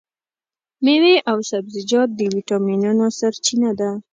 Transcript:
مېوې او سبزیجات د ویټامینونو سرچینه ده.